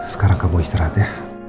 sekarang kamu istirahat ya